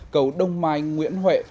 cầu đông mai nguyễn huệ